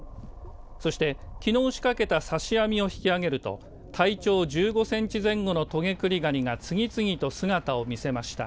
そして、きのう仕掛けた刺し網を引き揚げると体長１５センチ前後のトゲクリガニが次々と姿を見せました。